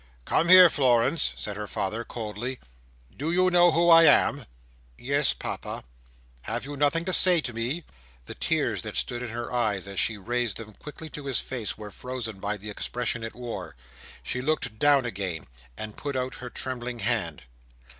"Come here, Florence," said her father, coldly. "Do you know who I am?" "Yes, Papa." "Have you nothing to say to me?" The tears that stood in her eyes as she raised them quickly to his face, were frozen by the expression it wore. She looked down again, and put out her trembling hand.